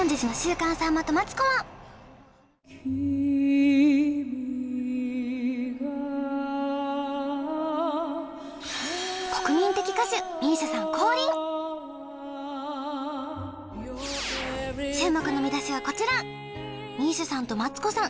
君が代は注目の見出しはこちらＭＩＳＩＡさんとマツコさん